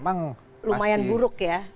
masih lumayan buruk ya